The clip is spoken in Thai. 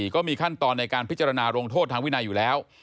ก็มีขั้นตอนในการพิจารณาลงโทษทางวินัยอยู่แล้ว